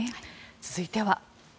続いては。